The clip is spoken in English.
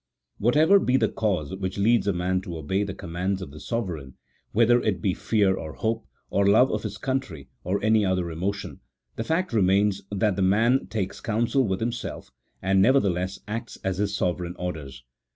Whatever be the cause which leads a man to obey the commands of the sovereign, whether it be fear or hope, or love of his country, or any other emotion — the fact remains that the man takes counsel with himself, and nevertheless acts as his sovereign orders.